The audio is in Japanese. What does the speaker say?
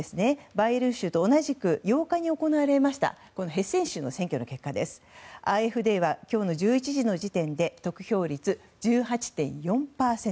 バイエルン州と同じく８日に行われたヘッセン州の選挙の結果はＡｆＤは今日の１１時の時点で得票率１８．４％。